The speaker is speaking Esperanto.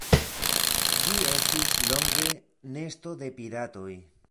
Ĝi estis longe nesto de piratoj.